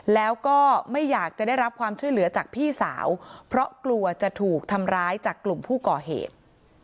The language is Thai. แล้วก็ไม่อยากจะได้รับความช่วยเหลือจากพี่สาวเพราะกลัวจะถูกทำร้ายจากกลุ่มผู้ก่อเหตุ